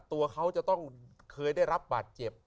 ตัวเขาจะต้องเคยได้รับบาดเจ็บ